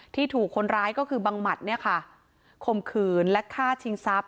ถูกคนร้ายก็คือบังหมัดเนี่ยค่ะข่มขืนและฆ่าชิงทรัพย